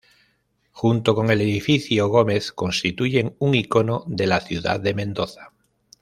Junto con el Edificio Gómez constituyen un icono de la Ciudad de Mendoza.